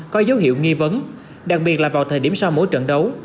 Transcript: có dấu hiệu nghi vấn đặc biệt là vào thời điểm sau mỗi trận đấu